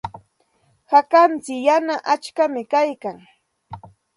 Hakantsik yana aqcham kaykan.